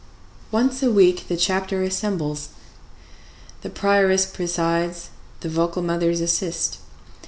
Once a week the chapter assembles: the prioress presides; the vocal mothers assist.